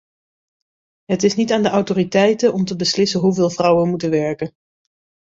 Het is niet aan de autoriteiten om te beslissen hoeveel vrouwen moeten werken.